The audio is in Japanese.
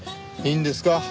いいんですか？